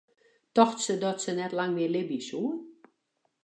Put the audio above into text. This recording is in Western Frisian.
Tocht se dat se net lang mear libje soe?